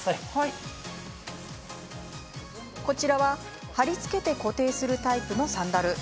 こちらは、貼り付けて固定するタイプのサンダル。